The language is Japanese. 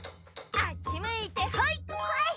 あっちむいてほい！